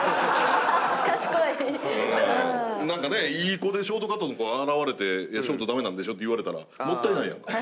いい子でショートカットの子現れて「ショート駄目なんでしょ」って言われたらもったいないやんか。